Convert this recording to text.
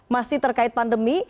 masih terkait pandemi